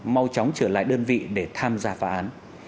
mau chóng trở lại đơn vị để tham gia phá án